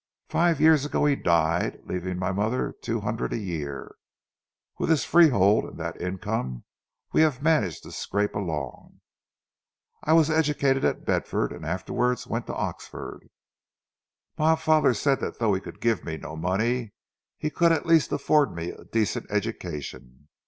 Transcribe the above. Five years ago he died, leaving my mother two hundred a year. With this freehold and that income we have managed to scrape along. I was educated at Bedford, and afterwards went to Oxford. My father said that though he could give me no money, he could at least afford me a decent education.